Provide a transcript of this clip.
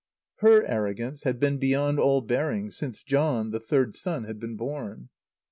Her arrogance had been beyond all bearing since John, the third son, had been born.